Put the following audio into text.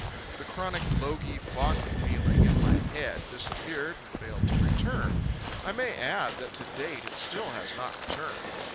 The chronic logy, foggy feeling in my head disappeared and failed to return. I may add that to date it still has not returned.